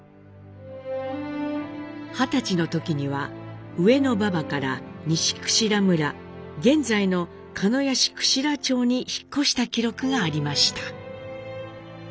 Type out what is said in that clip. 二十歳の時には上之馬場から西串良村現在の鹿屋市串良町に引っ越した記録がありました。